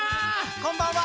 こんばんは！